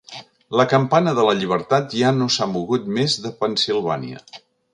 La Campana de la Llibertat ja no s'ha mogut més de Pennsilvània.